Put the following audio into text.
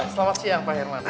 selamat siang pak herman